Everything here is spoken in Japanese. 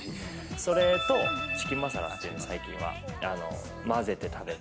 それと、チキンマサラっていうのが、最近は混ぜて食べる。